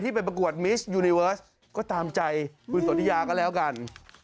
ไปประกวดมิสยูนิเวิร์สก็ตามใจคุณสนทิยาก็แล้วกัน